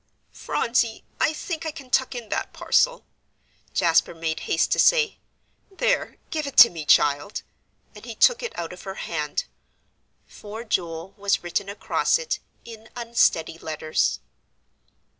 "Phronsie, I think I can tuck in that parcel," Jasper made haste to say. "There, give it to me, child," and he took it out of her hand. "For Joel" was written across it in unsteady letters.